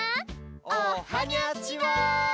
おはにゃちは！